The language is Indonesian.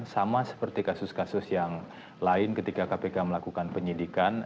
sama seperti kasus kasus yang lain ketika kpk melakukan penyidikan